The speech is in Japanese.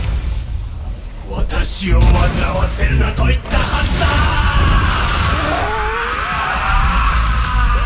・私を煩わせるなと言ったはずだぁ！！